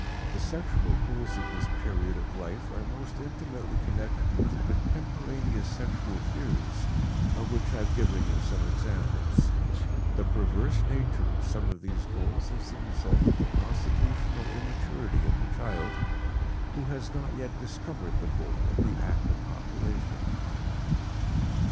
The sexual goals of this period of life are most intimately connected with the contemporaneous sexual theories, of which I have given you some examples. The perverse nature of some of these goals is the result of the constitutional immaturity of the child, who has not yet discovered the goal of the act of copulation.